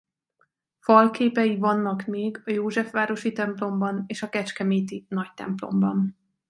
Falképei vannak még a józsefvárosi templomban és a kecskeméti nagytemplomban.